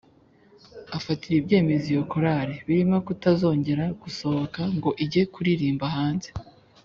afatira ibyemezo iyo Korari, birimo kutazongera gusohoka ngo ijye kuririmba hanze.